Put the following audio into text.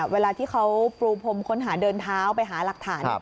เวลาที่เขาปรูพรมค้นหาเดินเท้าไปหาหลักฐาน